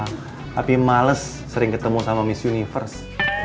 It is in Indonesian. tapi males sering ketemu sama miss universe